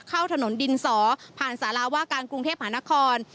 เข้าถนนดินสอผ่านสาราว่าการกรุงเทพหานคร